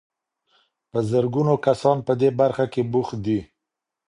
په زرګونه کسان په دې برخه کې بوخت دي.